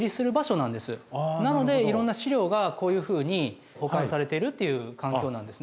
なのでいろんな資料がこういうふうに保管されてるっていう環境なんですね。